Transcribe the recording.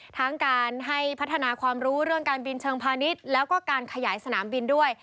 ทั้งการให้พัฒนาความรู้เรื่องการบินเชิงพาณิชย์แล้วก็การขยายสนามบินด้วย